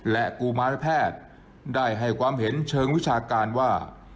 และกุมารแพทย์ได้ให้ความเห็นเชิงวิชาการว่า